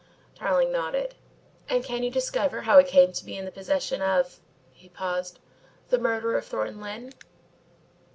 Tarling nodded. "And can you discover how it came to be in the possession of " he paused, "the murderer of Thornton Lyne?"